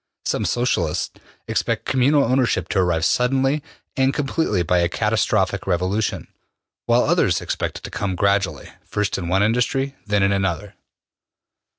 Some Socialists expect communal ownership to arrive suddenly and completely by a catastrophic revolution, while others expect it to come gradually, first in one industry, then in another.